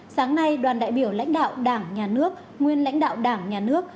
sáng nay đoàn đại biểu lãnh đạo đảng nhà nước nguyên lãnh đạo đảng nhà nước